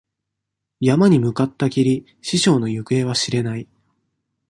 山に向かったきり、師匠の行方は知れない。